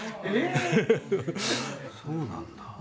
そうなんだ。